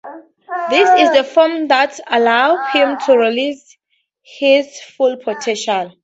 This is the form that allows him to release his full potential.